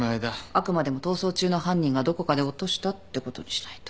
あくまでも逃走中の犯人がどこかで落としたってことにしないと。